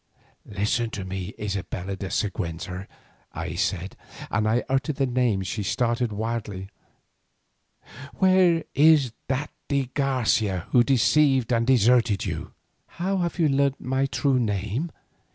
"Listen to me, Isabella de Siguenza!" I said; and as I uttered the name she started wildly. "Where is that de Garcia who deceived and deserted you?" "How have you learnt his true name?"